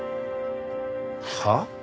はあ？